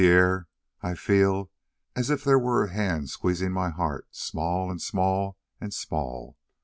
"Pierre, I feel as if there were a hand squeezing my heart small, and small, and small.